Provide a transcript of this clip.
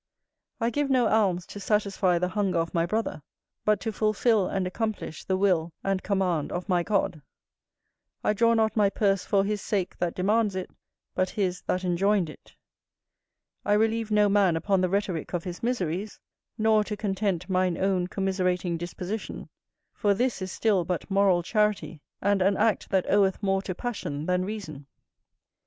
I give no alms to satisfy the hunger of my brother, but to fulfil and accomplish the will and command of my God; I draw not my purse for his sake that demands it, but his that enjoined it; I relieve no man upon the rhetorick of his miseries, nor to content mine own commiserating disposition; for this is still but moral charity, and an act that oweth more to passion than reason.